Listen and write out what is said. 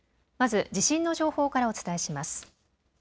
まず、地震の情報からお伝えします。